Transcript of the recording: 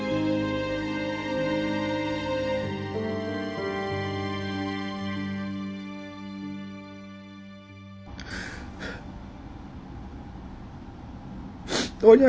สุขภาพจิตอดเสียไปเลยนะครับทุกคนรู้สึกแย่มากมากมากมาก